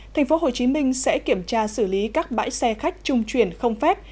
tp hcm sẽ kiểm tra xử lý các bãi xe khách trung truyền không phép